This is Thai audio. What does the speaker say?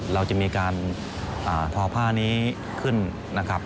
เราจะมีการทอผ้านี้ขึ้นนะครับ